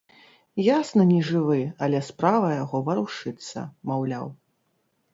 Ясна, нежывы, але справа яго варушыцца, маўляў!